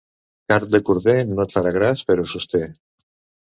Carn de corder no et farà gras, però sosté.